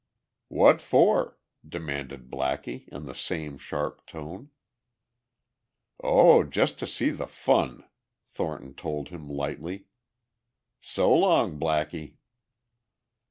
"What for?" demanded Blackie in the same sharp tone. "Oh, just to see the fun," Thornton told him lightly. "So long, Blackie."